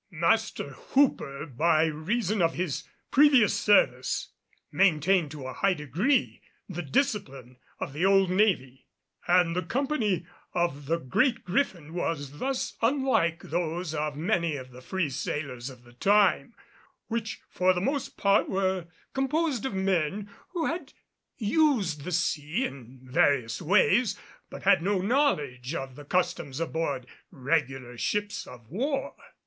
Master Hooper, by reason of his previous service, maintained to a high degree the discipline of the old navy; and the company of the Great Griffin was thus unlike those of many of the free sailers of the time, which for the most part were composed of men who had used the sea in various ways but had no knowledge of the customs aboard regular ships of war.